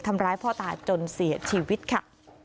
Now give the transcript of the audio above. ทำร้ายพ่อตาจนเสียชีวิตค่ะ